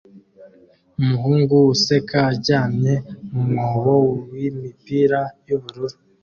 Umuhungu useka aryamye mu mwobo wimipira yubururu